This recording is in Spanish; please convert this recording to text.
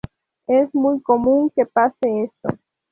Es muy común que pase esto.